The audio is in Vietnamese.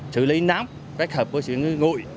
xử lý nám kết hợp với sự ngụy